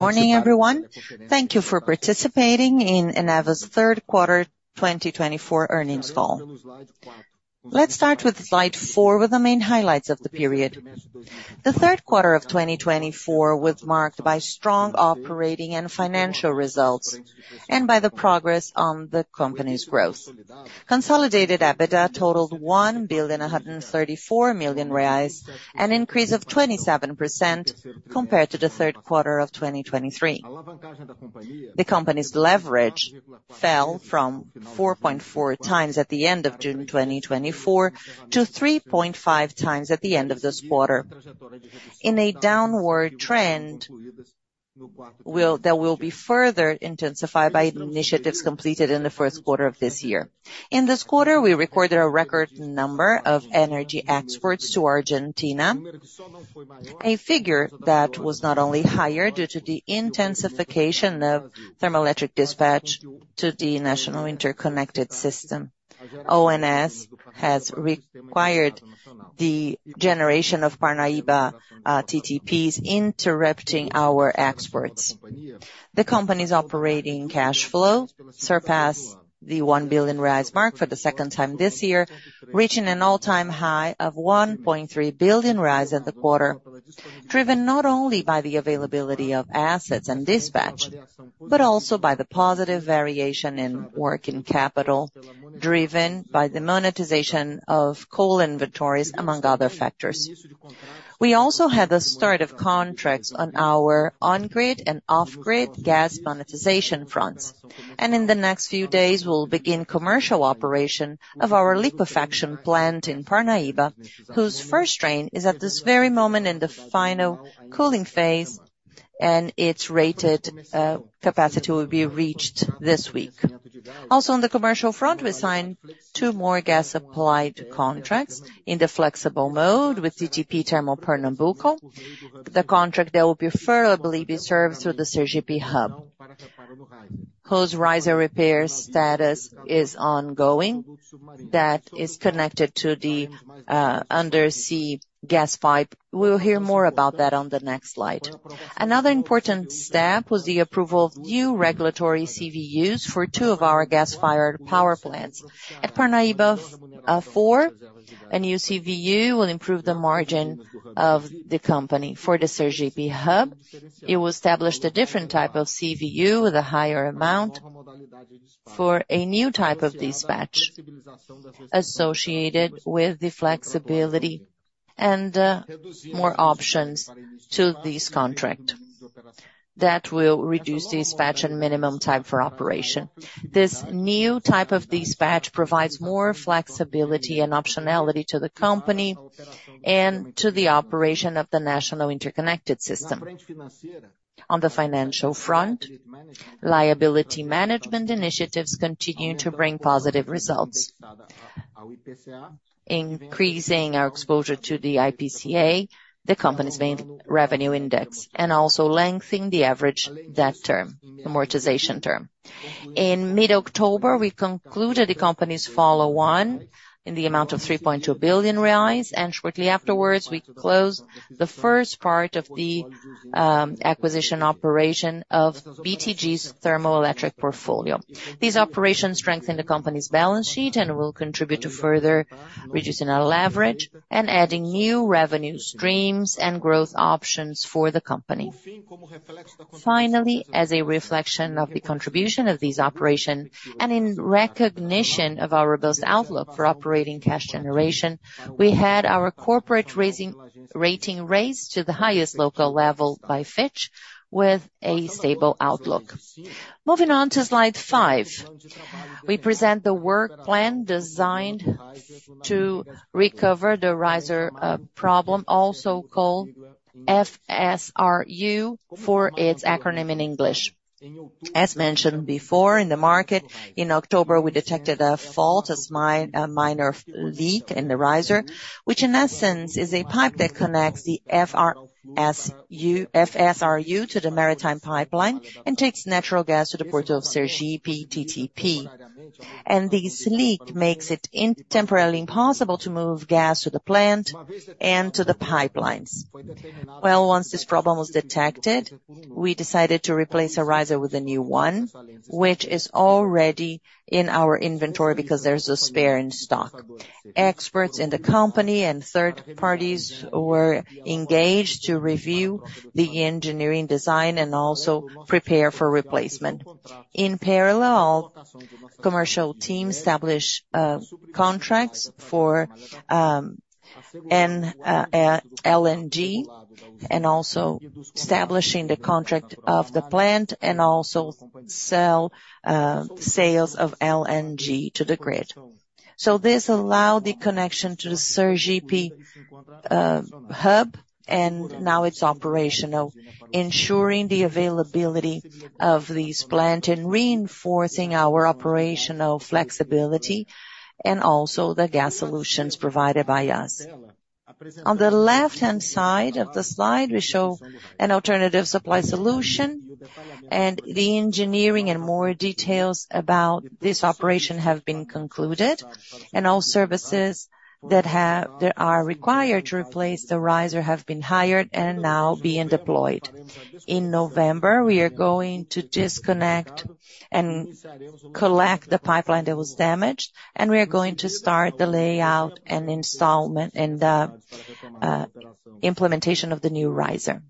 Morning, everyone. Thank you for participating in Eneva's third quarter 2024 earnings call. Let's start with slide four, with the main highlights of the period. The third quarter of 2024 was marked by strong operating and financial results, and by the progress on the company's growth. Consolidated EBITDA totaled 1,134 million reais, an increase of 27% compared to the third quarter of 2023. The company's leverage fell from 4.4 times at the end of June 2024 to 3.5 times at the end of this quarter, in a downward trend that will be further intensified by initiatives completed in the first quarter of this year. In this quarter, we recorded a record number of energy exports to Argentina, a figure that was not only higher due to the intensification of thermoelectric dispatch to the National Interconnected System. ONS has required the generation of Parnaíba TPPs, interrupting our exports. The company's operating cash flow surpassed the 1 billion mark for the second time this year, reaching an all-time high of 1.3 billion at the quarter, driven not only by the availability of assets and dispatch, but also by the positive variation in working capital, driven by the monetization of coal inventories, among other factors. We also had the start of contracts on our on-grid and off-grid gas monetization fronts, and in the next few days, we'll begin commercial operation of our liquefaction plant in Parnaíba, whose first train is at this very moment in the final cooling phase, and its rated capacity will be reached this week. Also, on the commercial front, we signed two more gas supply contracts in the flexible mode with TPP Termopernambuco. The contract that will preferably be served through the Sergipe Hub, whose riser repair status is ongoing, that is connected to the undersea gas pipe. We'll hear more about that on the next slide. Another important step was the approval of new regulatory CVUs for two of our gas-fired power plants. At Parnaíba IV, a new CVU will improve the margin of the company. For the Sergipe Hub, it will establish a different type of CVU with a higher amount for a new type of dispatch associated with the flexibility and more options to this contract that will reduce dispatch and minimum time for operation. This new type of dispatch provides more flexibility and optionality to the company and to the operation of the National Interconnected System. On the financial front, liability management initiatives continue to bring positive results, increasing our exposure to the IPCA, the company's main revenue index, and also lengthening the average debt term, amortization term. In mid-October, we concluded the company's follow-on in the amount of 3.2 billion reais, and shortly afterwards, we closed the first part of the acquisition operation of BTG's thermoelectric portfolio. These operations strengthen the company's balance sheet and will contribute to further reducing our leverage and adding new revenue streams and growth options for the company. Finally, as a reflection of the contribution of these operations and in recognition of our robust outlook for operating cash generation, we had our corporate rating raised to the highest local level by Fitch, with a stable outlook. Moving on to slide five, we present the work plan designed to recover the riser problem, also called FSRU for its acronym in English. As mentioned before, in the market, in October, we detected a fault, a minor leak in the riser, which in essence is a pipe that connects the FSRU to the maritime pipeline and takes natural gas to the port of Sergipe TPP. This leak makes it temporarily impossible to move gas to the plant and to the pipelines. Once this problem was detected, we decided to replace our riser with a new one, which is already in our inventory because there's a spare in stock. Experts in the company and third parties were engaged to review the engineering design and also prepare for replacement. In parallel, commercial teams established contracts for LNG and also established the contract of the plant and also sales of LNG to the grid. So this allowed the connection to the Sergipe Hub, and now it's operational, ensuring the availability of these plants and reinforcing our operational flexibility and also the gas solutions provided by us. On the left-hand side of the slide, we show an alternative supply solution, and the engineering and more details about this operation have been concluded, and all services that are required to replace the riser have been hired and now being deployed. In November, we are going to disconnect and collect the pipeline that was damaged, and we are going to start the layout and installment and implementation of the new riser.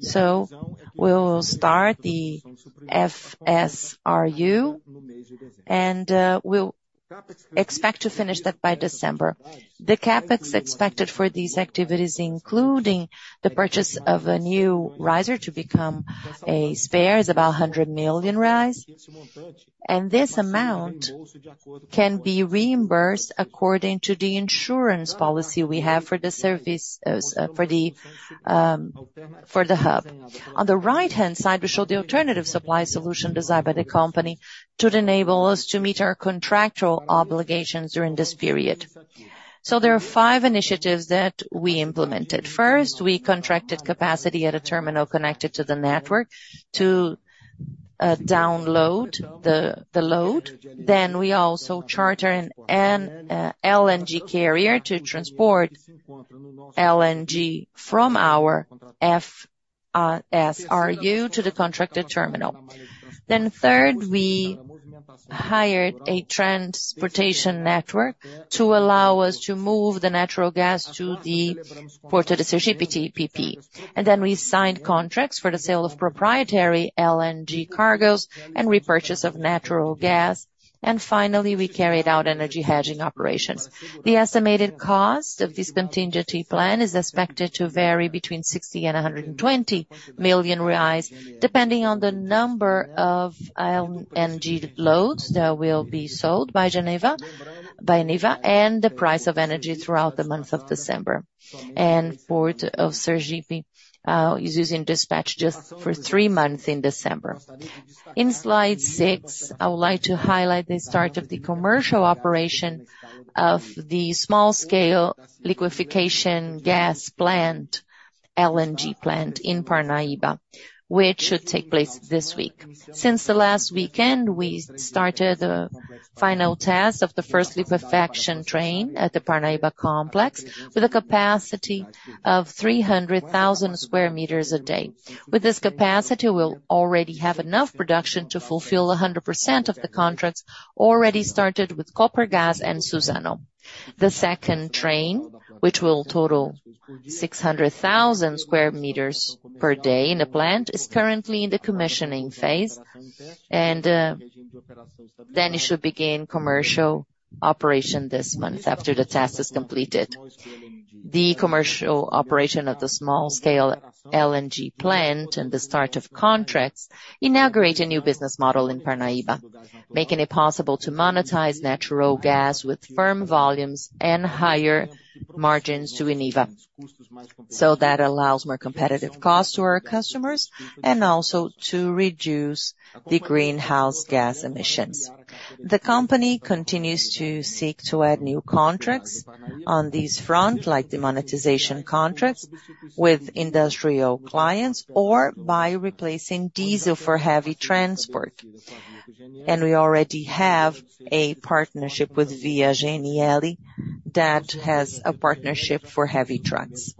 So we'll start the FSRU, and we expect to finish that by December. The CapEx expected for these activities, including the purchase of a new riser to become a spare, is about 100 million reais, and this amount can be reimbursed according to the insurance policy we have for the hub. On the right-hand side, we show the alternative supply solution designed by the company to enable us to meet our contractual obligations during this period, so there are five initiatives that we implemented. First, we contracted capacity at a terminal connected to the network to download the load, then we also chartered an LNG carrier to transport LNG from our FSRU to the contracted terminal, then third, we hired a transportation network to allow us to move the natural gas to the port of the Sergipe Termopernambuco, and then we signed contracts for the sale of proprietary LNG cargos and repurchase of natural gas, and finally, we carried out energy hedging operations. The estimated cost of this contingency plan is expected to vary between 60 million and 120 million reais, depending on the number of LNG loads that will be sold by Eneva and the price of energy throughout the month of December. And the port of Sergipe is using dispatch just for three months in December. In slide six, I would like to highlight the start of the commercial operation of the small-scale liquefaction gas plant, LNG plant, in Parnaíba, which should take place this week. Since the last weekend, we started the final test of the first liquefaction train at the Parnaíba complex with a capacity of 300,000 square meters a day. With this capacity, we'll already have enough production to fulfill 100% of the contracts already started with Copergás and Suzano. The second train, which will total 600,000 cubic meters per day in the plant, is currently in the commissioning phase, and then it should begin commercial operation this month after the test is completed. The commercial operation of the small-scale LNG plant and the start of contracts inaugurate a new business model in Parnaíba, making it possible to monetize natural gas with firm volumes and higher margins to Eneva. That allows more competitive costs to our customers and also to reduce the greenhouse gas emissions. The company continues to seek to add new contracts on this front, like the monetization contracts with industrial clients or by replacing diesel for heavy transport. We already have a partnership with Virtu GNL that has a partnership for heavy trucks.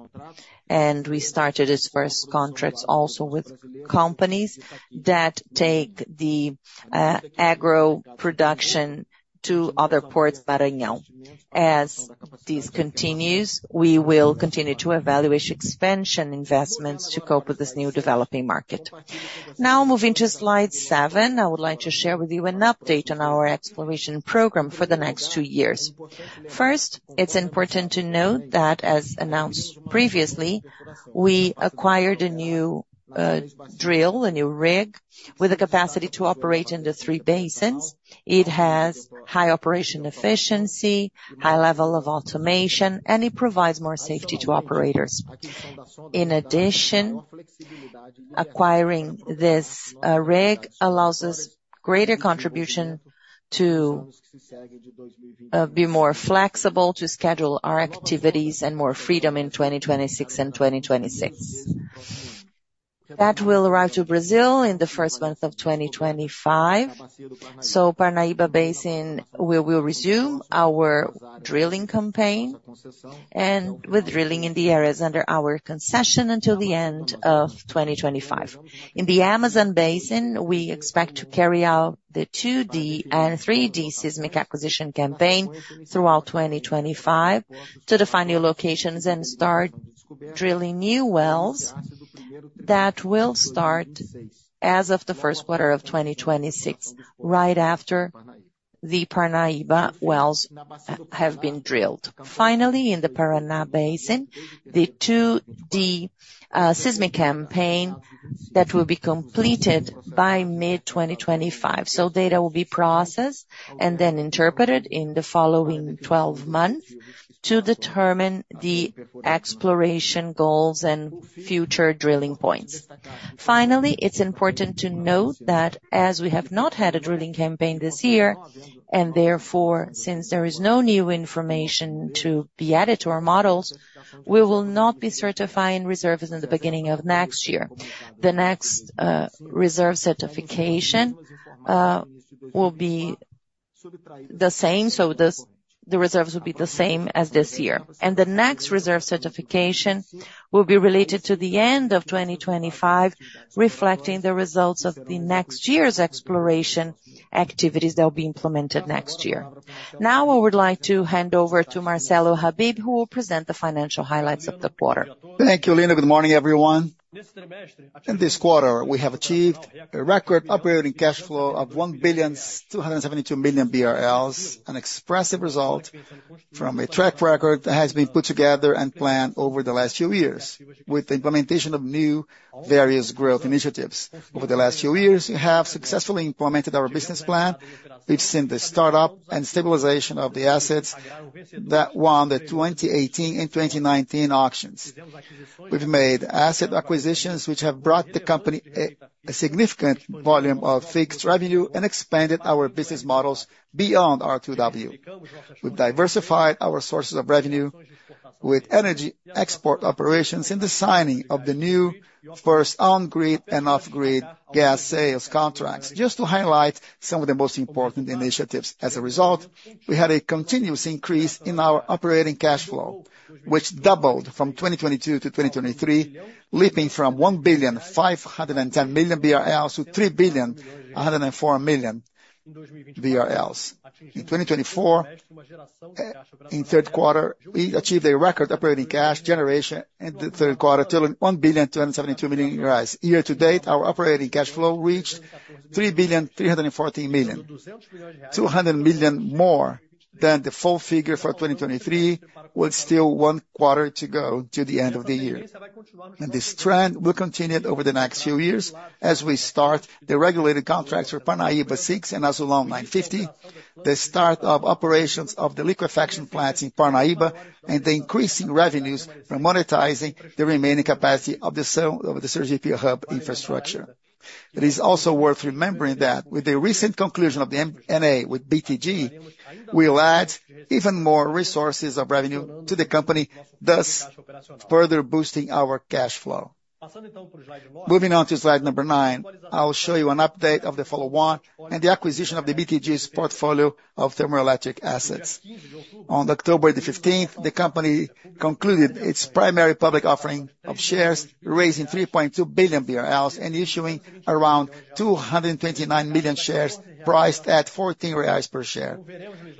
We started these first contracts also with companies that take the agro production to other ports in Maranhão. As this continues, we will continue to evaluate expansion investments to cope with this new developing market. Now, moving to slide seven, I would like to share with you an update on our exploration program for the next two years. First, it's important to note that, as announced previously, we acquired a new drill, a new rig with the capacity to operate in the three basins. It has high operation efficiency, high level of automation, and it provides more safety to operators. In addition, acquiring this rig allows us greater contribution to be more flexible, to schedule our activities, and more freedom in 2026 and 2027. That will arrive to Brazil in the first month of 2025. So Parnaíba Basin, we will resume our drilling campaign and with drilling in the areas under our concession until the end of 2025. In the Amazon Basin, we expect to carry out the 2D and 3D seismic acquisition campaign throughout 2025 to define new locations and start drilling new wells that will start as of the first quarter of 2026, right after the Parnaíba wells have been drilled. Finally, in the Paraná Basin, the 2D seismic campaign that will be completed by mid-2025, so data will be processed and then interpreted in the following 12 months to determine the exploration goals and future drilling points. Finally, it's important to note that as we have not had a drilling campaign this year, and therefore, since there is no new information to be added to our models, we will not be certifying reserves in the beginning of next year. The next reserve certification will be the same, so the reserves will be the same as this year. And the next reserve certification will be related to the end of 2025, reflecting the results of the next year's exploration activities that will be implemented next year. Now, I would like to hand over to Marcelo Habib, who will present the financial highlights of the quarter. Thank you, Lino. Good morning, everyone. In this quarter, we have achieved a record operating cash flow of R$ 1,272 million, an expressive result from a track record that has been put together and planned over the last few years with the implementation of new various growth initiatives. Over the last few years, we have successfully implemented our business plan. We've seen the startup and stabilization of the assets that won the 2018 and 2019 auctions. We've made asset acquisitions, which have brought the company a significant volume of fixed revenue and expanded our business models beyond R2W. We've diversified our sources of revenue with energy export operations and the signing of the new first on-grid and off-grid gas sales contracts, just to highlight some of the most important initiatives. As a result, we had a continuous increase in our operating cash flow, which doubled from 2022 to 2023, leaping from 1,510 million BRL to 3,104 million BRL. In 2024, in third quarter, we achieved a record operating cash generation in the third quarter, totaling BRL 1,272 million. Year to date, our operating cash flow reached 3,314 million, 200 million more than the full figure for 2023, with still one quarter to go to the end of the year. This trend will continue over the next few years as we start the regulated contracts for Parnaíba 6 and Azulão 950, the start of operations of the liquefaction plants in Parnaíba, and the increasing revenues from monetizing the remaining capacity of the Sergipe Hub infrastructure. It is also worth remembering that with the recent conclusion of the M&A with BTG, we'll add even more resources of revenue to the company, thus further boosting our cash flow. Moving on to slide number nine, I'll show you an update of the follow-on and the acquisition of the BTG's portfolio of thermoelectric assets. On October 15th, the company concluded its primary public offering of shares, raising 3.2 billion BRL and issuing around 229 million shares priced at 14 reais per share.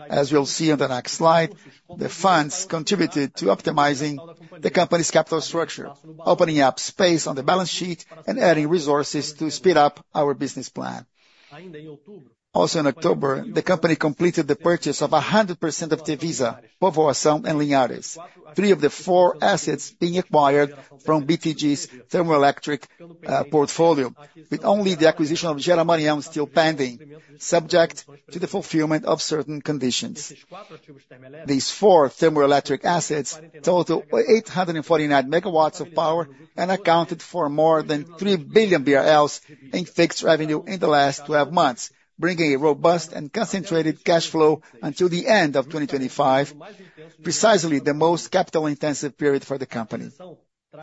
As you'll see on the next slide, the funds contributed to optimizing the company's capital structure, opening up space on the balance sheet and adding resources to speed up our business plan. Also in October, the company completed the purchase of 100% of Tevisa, Povoação and Linhares, three of the four assets being acquired from BTG's thermoelectric portfolio, with only the acquisition of Geramar still pending, subject to the fulfillment of certain conditions. These four thermoelectric assets total 849 megawatts of power and accounted for more than R$ 3 billion in fixed revenue in the last 12 months, bringing a robust and concentrated cash flow until the end of 2025, precisely the most capital-intensive period for the company.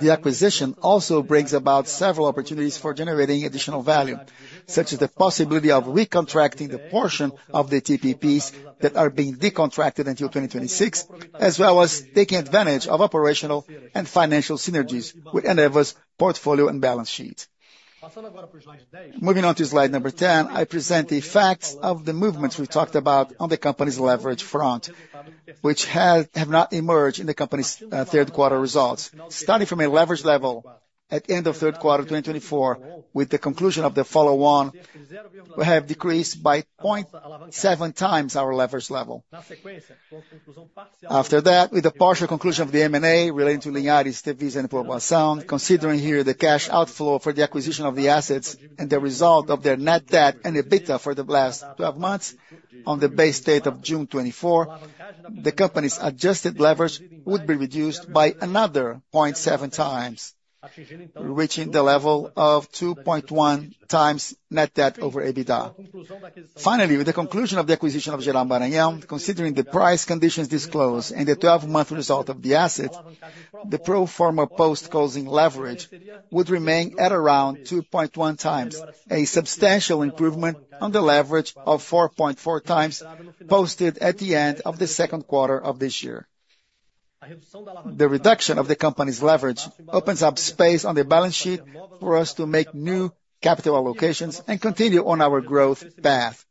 The acquisition also brings about several opportunities for generating additional value, such as the possibility of recontracting the portion of the TPPs that are being decontracted until 2026, as well as taking advantage of operational and financial synergies with Eneva's portfolio and balance sheet. Moving on to slide number 10, I present the facts of the movements we talked about on the company's leverage front, which have not emerged in the company's third quarter results. Starting from a leverage level at the end of third quarter 2024, with the conclusion of the follow-on, we have decreased by 0.7 times our leverage level. After that, with the partial conclusion of the M&A relating to Linhares, Tevisa and Povoação, considering here the cash outflow for the acquisition of the assets and the result of their net debt and EBITDA for the last 12 months on the base date of June 2024, the company's adjusted leverage would be reduced by another 0.7 times, reaching the level of 2.1 times net debt over EBITDA. Finally, with the conclusion of the acquisition of Geramar, considering the price conditions disclosed and the 12-month result of the assets, the pro forma post-closing leverage would remain at around 2.1 times, a substantial improvement on the leverage of 4.4 times posted at the end of the second quarter of this year. The reduction of the company's leverage opens up space on the balance sheet for us to make new capital allocations and continue on our growth path,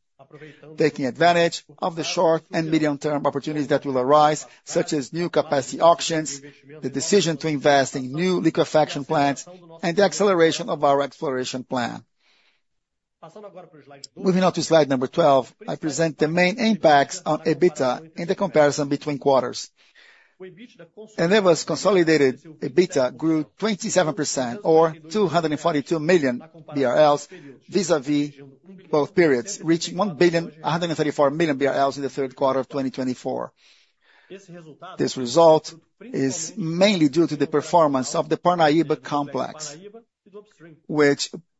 taking advantage of the short and medium-term opportunities that will arise, such as new capacity auctions, the decision to invest in new liquefaction plants, and the acceleration of our exploration plan. Moving on to slide number 12, I present the main impacts on EBITDA in the comparison between quarters. Eneva's consolidated EBITDA grew 27% or 242 million BRL vis-à-vis both periods, reaching 1,134 million BRL in the third quarter of 2024. This result is mainly due to the performance of the Parnaíba complex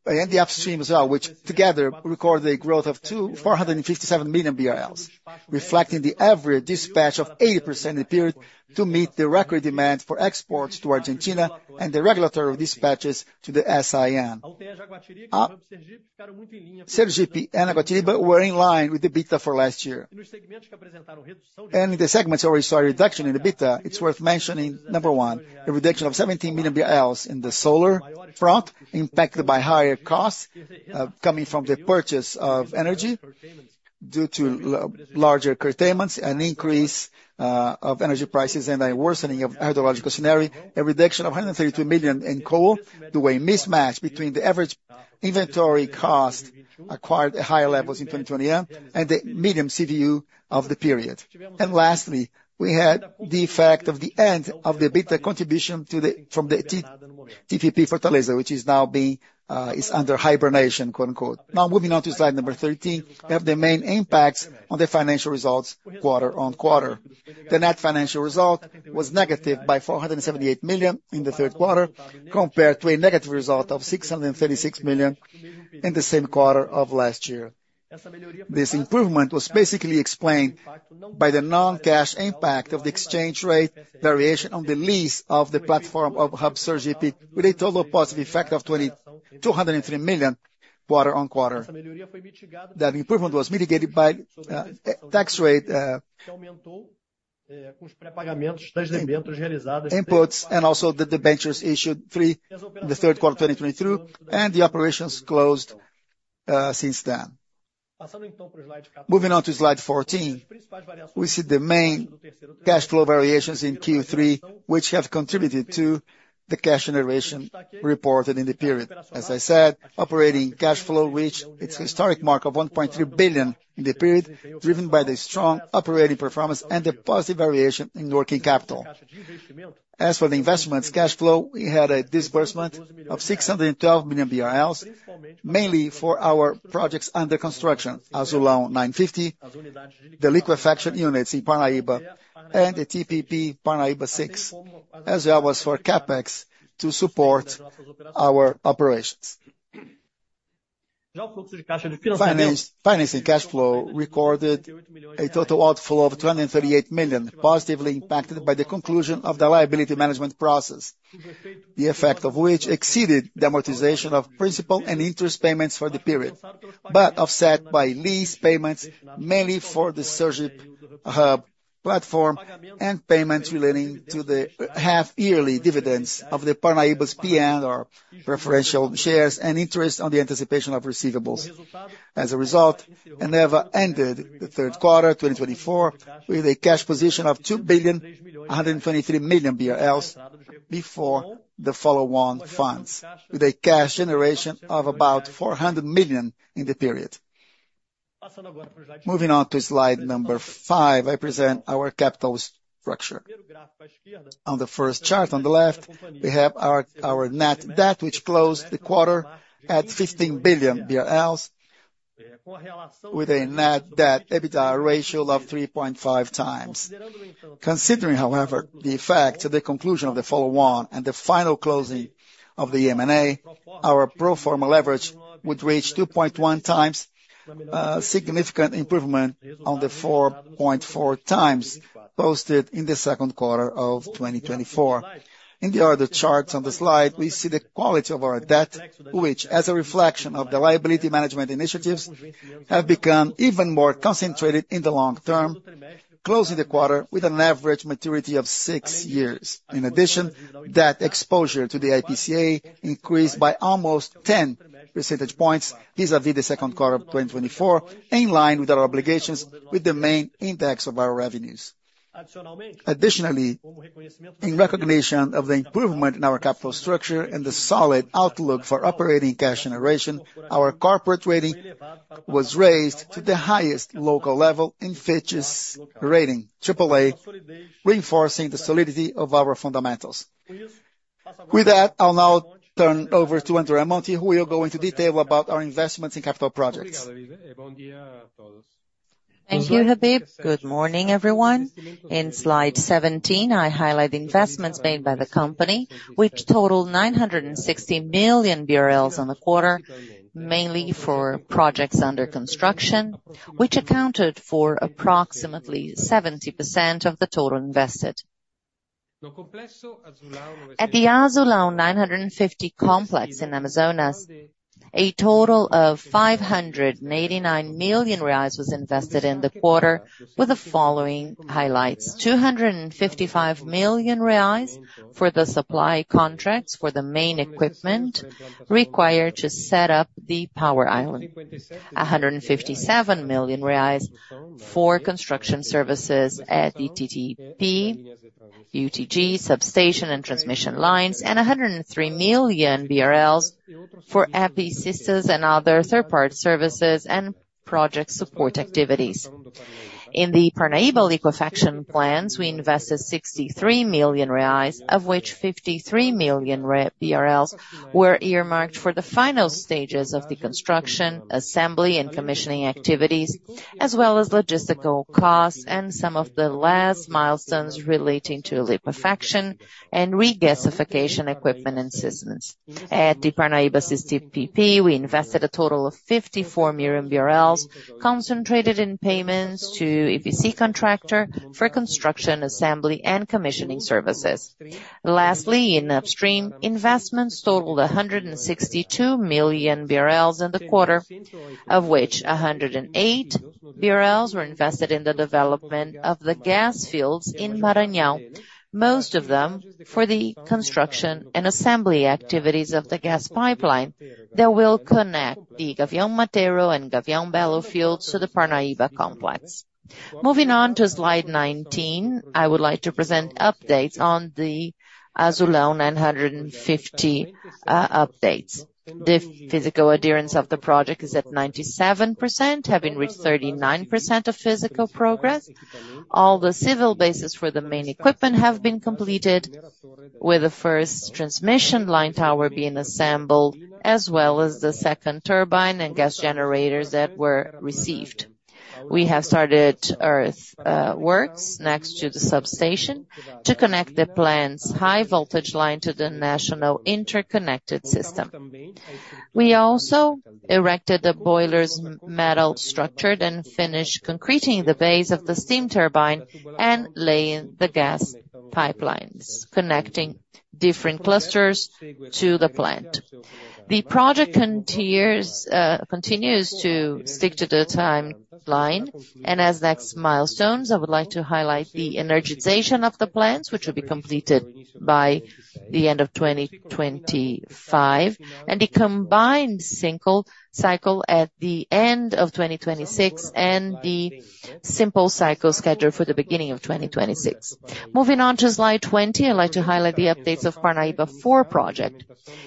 and the upstream as well, which together recorded a growth of 457 million BRL, reflecting the average dispatch of 80% in the period to meet the record demand for exports to Argentina and the regulatory dispatches to the SIN. Hub and Jaguatirica II were in line with EBITDA for last year, and in the segments where we saw a reduction in EBITDA, it's worth mentioning number one, a reduction of 17 million in the solar front, impacted by higher costs coming from the purchase of energy due to larger curtailment and increase of energy prices and a worsening of hydrological scenario. A reduction of 132 million in coal, the way mismatch between the average inventory cost acquired at higher levels in 2021 and the medium CVU of the period, and lastly, we had the effect of the end of the EBITDA contribution from the TPP Fortaleza, which is now being under hibernation. Now, moving on to slide number 13, we have the main impacts on the financial results quarter on quarter. The net financial result was negative by R$478 million in the third quarter, compared to a negative result of R$636 million in the same quarter of last year. This improvement was basically explained by the non-cash impact of the exchange rate variation on the lease of the platform of the Sergipe Hub, with a total positive effect of R$203 million quarter-on-quarter. That improvement was mitigated by tax rate inputs and also the debentures issued in the third quarter of 2023, and the operations closed since then. Moving on to slide 14, we see the main cash flow variations in Q3, which have contributed to the cash generation reported in the period. As I said, operating cash flow reached its historic mark of R$1.3 billion in the period, driven by the strong operating performance and the positive variation in working capital. As for the investments cash flow, we had a disbursement of 612 million BRL, mainly for our projects under construction, Azulão 950, the liquefaction units in Parnaíba, and the TPP Parnaíba 6, as well as for CapEx to support our operations. Financing cash flow recorded a total outflow of 238 million, positively impacted by the conclusion of the liability management process, the effect of which exceeded the amortization of principal and interest payments for the period, but offset by lease payments mainly for the Sergipe Hub platform and payments relating to the half-yearly dividends of the Parnaíba's P&R preferential shares and interest on the anticipation of receivables. As a result, Eneva ended the third quarter 2024 with a cash position of 2,123 million BRL before the follow-on funds, with a cash generation of about 400 million in the period. Moving on to slide number five, I present our capital structure. On the first chart on the left, we have our net debt, which closed the quarter at 15 billion BRL, with a net debt EBITDA ratio of 3.5 times. Considering, however, the effect of the conclusion of the follow-on and the final closing of the M&A, our pro forma leverage would reach 2.1 times, a significant improvement on the 4.4 times posted in the second quarter of 2024. In the other charts on the slide, we see the quality of our debt, which, as a reflection of the liability management initiatives, have become even more concentrated in the long term, closing the quarter with an average maturity of six years. In addition, debt exposure to the IPCA increased by almost 10 percentage points vis-à-vis the second quarter of 2024, in line with our obligations with the main index of our revenues. Additionally, in recognition of the improvement in our capital structure and the solid outlook for operating cash generation, our corporate rating was raised to the highest local level in Fitch's rating, AAA, reinforcing the solidity of our fundamentals. With that, I'll now turn over to Andrea Monte, who will go into detail about our investments in capital projects. Thank you, Habib. Good morning, everyone. In slide 17, I highlight the investments made by the company, which totaled 960 million BRL on the quarter, mainly for projects under construction, which accounted for approximately 70% of the total invested. At the Azulão 950 complex in Amazonas, a total of 589 million reais was invested in the quarter, with the following highlights: 255 million reais for the supply contracts for the main equipment required to set up the power island, 157 million reais for construction services at the TPP UTG substation and transmission lines, and 103 million BRL for EPI systems and other third-party services and project support activities. In the Parnaíba liquefaction plants, we invested 63 million reais, of which 53 million BRL were earmarked for the final stages of the construction, assembly, and commissioning activities, as well as logistical costs and some of the last milestones relating to liquefaction and regasification equipment and systems. At the Parnaíba CCPP, we invested a total of 54 million BRL, concentrated in payments to EPC contractor for construction, assembly, and commissioning services. Lastly, in upstream, investments totaled 162 million BRL in the quarter, of which 108 million BRL were invested in the development of the gas fields in Maranhão, most of them for the construction and assembly activities of the gas pipeline that will connect the Gavião Mateiro and Gavião Belo fields to the Parnaíba Complex. Moving on to slide 19, I would like to present updates on the Azulão 950 updates. The physical adherence of the project is at 97%, having reached 39% of physical progress. All the civil bases for the main equipment have been completed, with the first transmission line tower being assembled, as well as the second turbine and gas generators that were received. We have started earthworks next to the substation to connect the plant's high-voltage line to the National Interconnected System. We also erected the boiler's metal structure and finished concreting the base of the steam turbine and laying the gas pipelines, connecting different clusters to the plant. The project continues to stick to the timeline, and as next milestones, I would like to highlight the energization of the plants, which will be completed by the end of 2025, and the combined cycle at the end of 2026 and the simple cycle scheduled for the beginning of 2026. Moving on to slide 20, I'd like to highlight the updates of Parnaíba 4 project.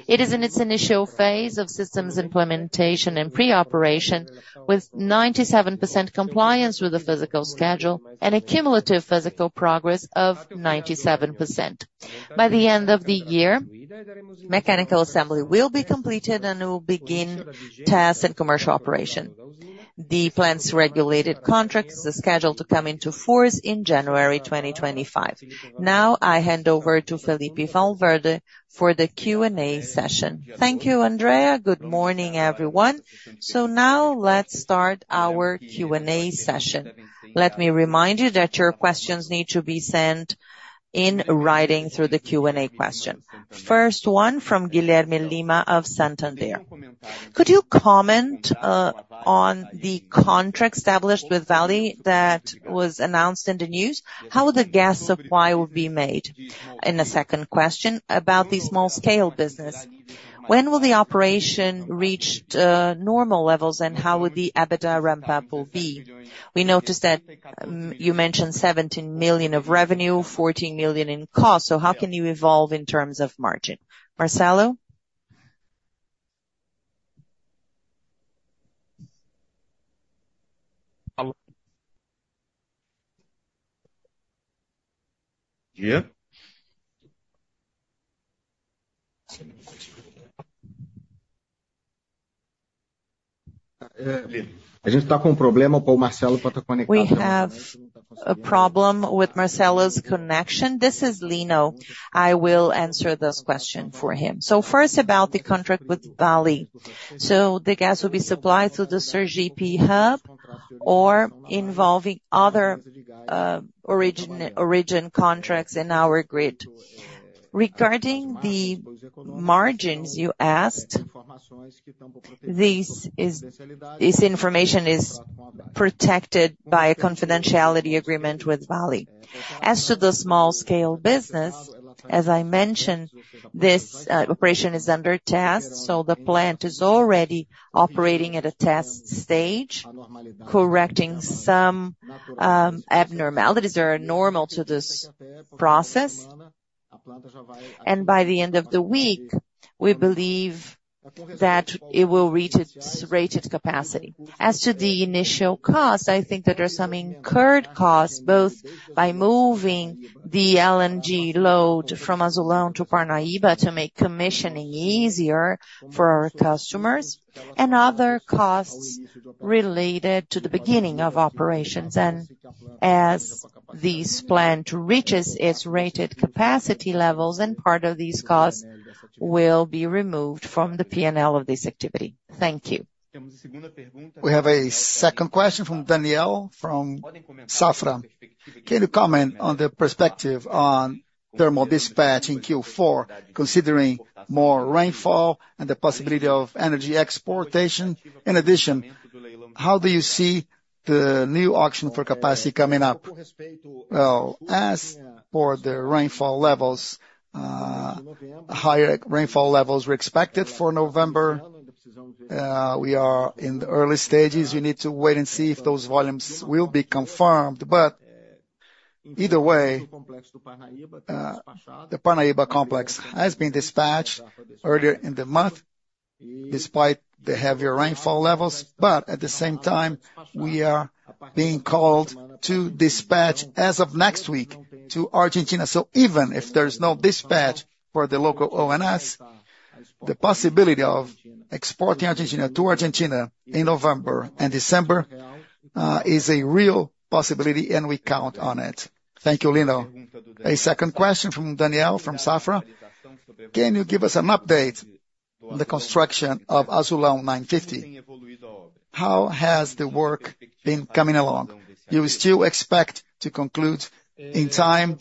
It is in its initial phase of systems implementation and pre-operation, with 97% compliance with the physical schedule and accumulative physical progress of 97%. By the end of the year, mechanical assembly will be completed and will begin tests and commercial operation. The plant's regulated contract is scheduled to come into force in January 2025. Now, I hand over to Felipe Valverde for the Q&A session. Thank you, Andrea. Good morning, everyone. Now let's start our Q&A session. Let me remind you that your questions need to be sent in writing through the Q&A question. First one from Guilherme Lima of Santander. Could you comment on the contract established with Vale that was announced in the news? How would the gas supply be made? And a second question about the small-scale business. When will the operation reach normal levels and how would the EBITDA ramp up will be? We noticed that you mentioned R$ 17 million of revenue, R$ 14 million in cost. So how can you evolve in terms of margin? Marcelo? We have a problem with Marcelo's connection. This is Lino. I will answer this question for him. So first, about the contract with Vale. So the gas will be supplied through the Sergipe Hub or involving other origin contracts in our grid. Regarding the margins you asked, this information is protected by a confidentiality agreement with Vale. As to the small-scale business, as I mentioned, this operation is under test, so the plant is already operating at a test stage, correcting some abnormalities that are normal to this process. And by the end of the week, we believe that it will reach its rated capacity. As to the initial cost, I think that there are some incurred costs, both by moving the LNG load from Azulão to Parnaíba to make commissioning easier for our customers, and other costs related to the beginning of operations. And as this plant reaches its rated capacity levels, part of these costs will be removed from the P&L of this activity. Thank you. We have a second question from Daniel from Safra. Can you comment on the perspective on thermal dispatch in Q4, considering more rainfall and the possibility of energy exportation? In addition, how do you see the new auction for capacity coming up? As for the rainfall levels, higher rainfall levels were expected for November. We are in the early stages. We need to wait and see if those volumes will be confirmed. But either way, the Parnaíba complex has been dispatched earlier in the month, despite the heavier rainfall levels. But at the same time, we are being called to dispatch as of next week to Argentina. So even if there is no dispatch for the local ONS, the possibility of exporting Argentina to Argentina in November and December is a real possibility, and we count on it. Thank you, Lino. A second question from Daniel from Safra. Can you give us an update on the construction of Azulão 950? How has the work been coming along? Do you still expect to conclude in time?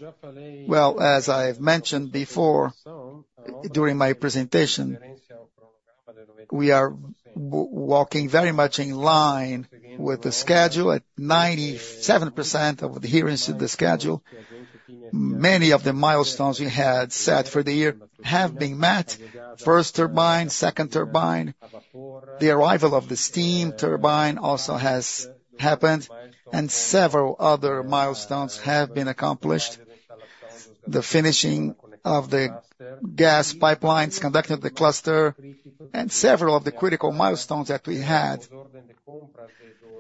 Well, as I've mentioned before, during my presentation, we are walking very much in line with the schedule at 97% of adherence to the schedule. Many of the milestones we had set for the year have been met: first turbine, second turbine. The arrival of the steam turbine also has happened, and several other milestones have been accomplished: the finishing of the gas pipelines conducted in the cluster, and several of the critical milestones that we had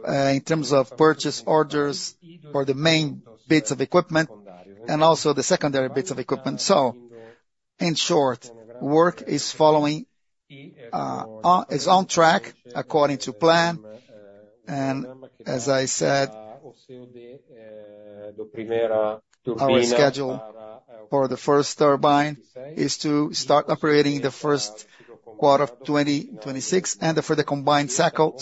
in terms of purchase orders for the main bits of equipment and also the secondary bits of equipment. So, in short, work is on track according to plan. As I said, our schedule for the first turbine is to start operating the first quarter of 2026 and for the combined cycle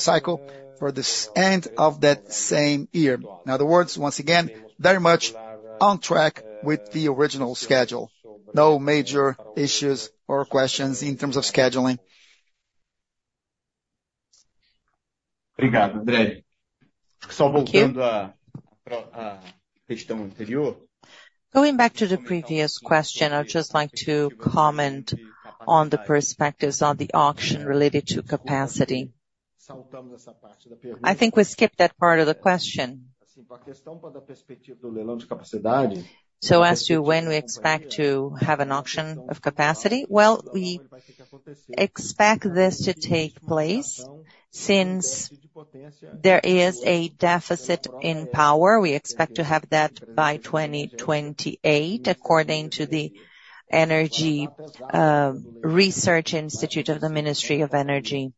for the end of that same year. In other words, once again, very much on track with the original schedule. No major issues or questions in terms of scheduling. Going back to the previous question, I'd just like to comment on the perspectives on the auction related to capacity. I think we skipped that part of the question. As to when we expect to have an auction of capacity, well, we expect this to take place since there is a deficit in power. We expect to have that by 2028, according to the Energy Research Institute of the Ministry of Energy.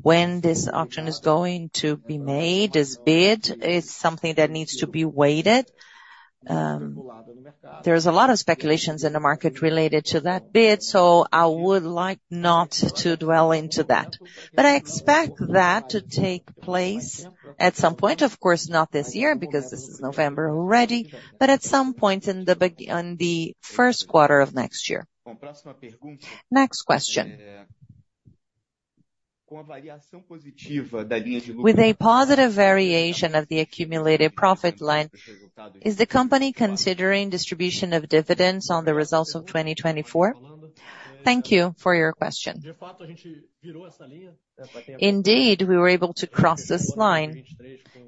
When this auction is going to be made, this bid is something that needs to be weighed. There are a lot of speculations in the market related to that bid, so I would like not to dwell into that, but I expect that to take place at some point. Of course, not this year because this is November already, but at some point in the first quarter of next year. Next question. With a positive variation of the accumulated profit line, is the company considering distribution of dividends on the results of 2024? Thank you for your question. Indeed, we were able to cross this line.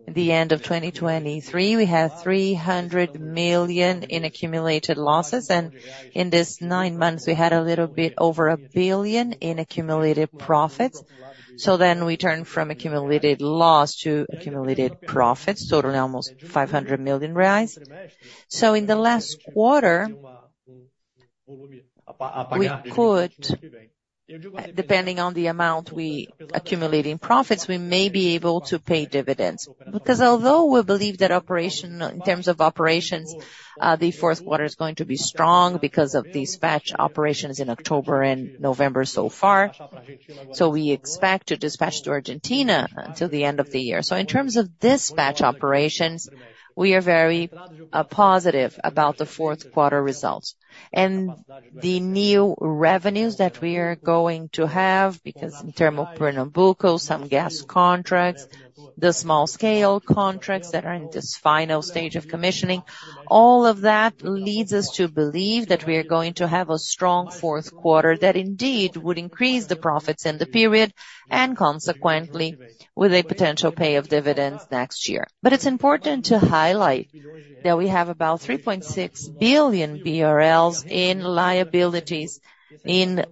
At the end of 2023, we had 300 million in accumulated losses, and in these nine months, we had a little bit over a billion in accumulated profits, so then we turned from accumulated loss to accumulated profits, totaling almost 500 million reais. So in the last quarter, we could, depending on the amount we accumulate in profits, we may be able to pay dividends. Because although we believe that in terms of operations, the fourth quarter is going to be strong because of dispatch operations in October and November so far, we expect to dispatch to Argentina until the end of the year. So in terms of dispatch operations, we are very positive about the fourth quarter results. And the new revenues that we are going to have, because in terms of Pernambuco, some gas contracts, the small-scale contracts that are in this final stage of commissioning, all of that leads us to believe that we are going to have a strong fourth quarter that indeed would increase the profits in the period and consequently with a potential pay of dividends next year. But it's important to highlight that we have about R$ 3.6 billion in liabilities in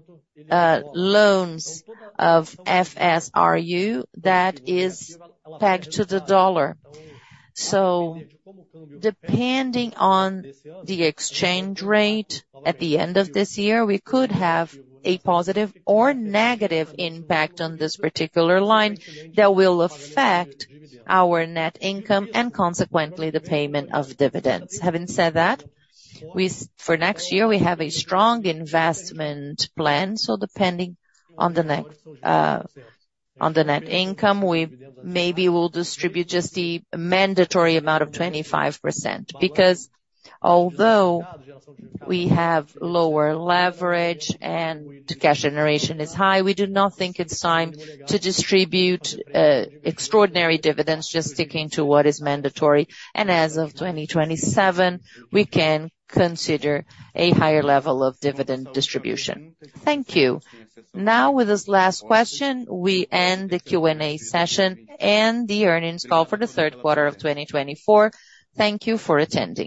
loans of FSRU that is pegged to the dollar. So depending on the exchange rate at the end of this year, we could have a positive or negative impact on this particular line that will affect our net income and consequently the payment of dividends. Having said that, for next year, we have a strong investment plan. So depending on the net income, we maybe will distribute just the mandatory amount of 25%. Because although we have lower leverage and cash generation is high, we do not think it's time to distribute extraordinary dividends just sticking to what is mandatory. And as of 2027, we can consider a higher level of dividend distribution. Thank you. Now, with this last question, we end the Q&A session and the earnings call for the third quarter of 2024. Thank you for attending.